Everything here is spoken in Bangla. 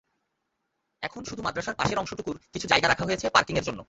এখন শুধু মাদ্রাসার পাশের অংশটুকুর কিছু জায়গা রাখা হয়েছে পার্কিংয়ের জন্য।